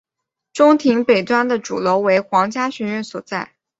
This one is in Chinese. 中庭北端的主楼为皇家学院所在。